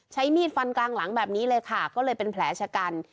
ใช้มีดฟันกลางหลังแบบนี้เลยค่ะก็เลยเป็นแผลชะกัน